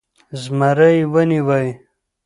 زمری يې و نيوی .